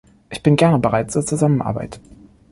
Ich bin gerne bereit zur Zusammenarbeit.